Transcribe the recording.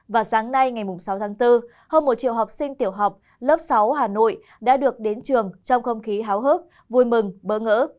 và sáng nay ngày sáu tháng bốn hơn một triệu học sinh tiểu học lớp sáu hà nội đã được đến trường trong không khí háo hức vui mừng bỡ ngỡ